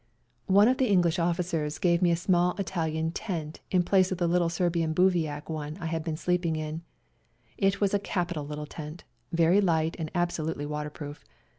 One of the English officers gave me a small Italian tent in place of the little WE GO TO CORFU 213 Serbian bivouac one I had been sleeping in. It was a capital little tent, very light and absolutely waterproof.